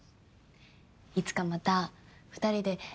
いつかまた２人で。